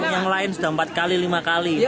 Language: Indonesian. yang lain sudah empat kali lima kali